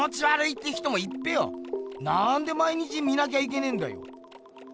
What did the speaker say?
なんで毎日見なきゃいけねんだよ？